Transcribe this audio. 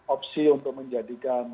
opsi untuk menjadikan